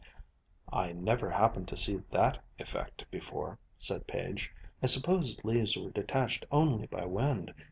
"I never happened to see that effect before," said Page. "I supposed leaves were detached only by wind.